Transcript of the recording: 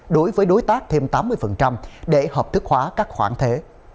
đối với đối tác thêm tám mươi để hợp thức hóa các khoản thuế